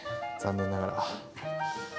残念ながら。